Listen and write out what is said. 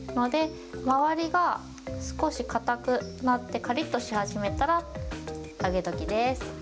周りが少し硬くなって、かりっとし始めたら、揚げ時です。